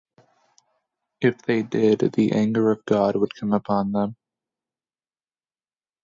If they did, the anger of God would come upon them.